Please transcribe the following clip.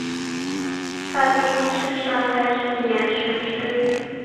她第一次上台是演死尸。